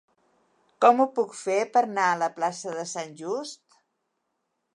Com ho puc fer per anar a la plaça de Sant Just?